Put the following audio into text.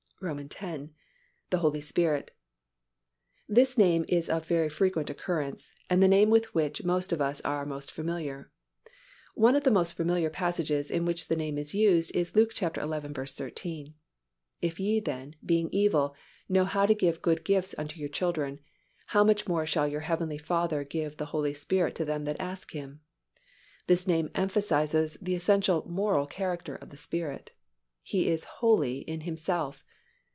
X. The Holy Spirit. This name is of very frequent occurrence, and the name with which most of us are most familiar. One of the most familiar passages in which the name is used is Luke xi. 13, "If ye then, being evil, know how to give good gifts unto your children: how much more shall your heavenly Father give the Holy Spirit to them that ask Him?" This name emphasizes the essential moral character of the Spirit. He is holy in Himself.